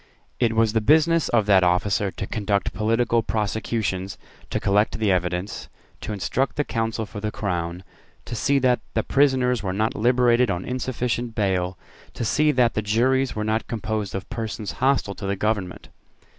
It was the business of that officer to conduct political prosecutions, to collect the evidence, to instruct the counsel for the Crown, to see that the prisoners were not liberated on insufficient bail, to see that the juries were not composed of persons hostile to the government.